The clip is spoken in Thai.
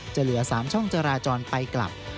เหลือ๓ช่องจราจรไปกลับ